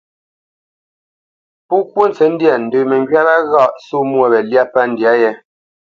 Pó kwó ntsə̌tndyâ, ndə məŋgywá wâ ghâʼ só mwô wě lyá pə́ ndyâ yē.